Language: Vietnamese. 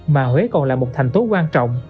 mà huế còn là một thành tố quan trọng